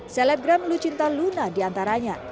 selebram lucinta luna diantaranya